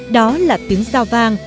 đó là tiếng sao vang